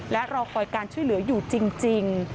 และรอคอยการช่วยเหลืออยู่จริง